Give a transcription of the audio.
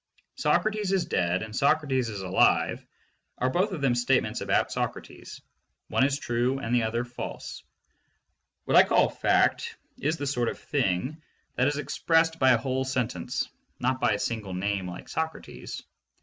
"Socrates is dead" and "Socrates is alive" are both of them statements about Socrates. One is true and the other false. What I call a fact is the sort of thing that is expressed by a whole sentence, not by a single name like "Socrates."